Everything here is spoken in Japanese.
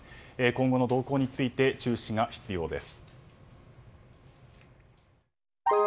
今後の動向について注視が非常です。